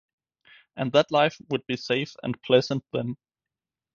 And that life would be safe and pleasant then.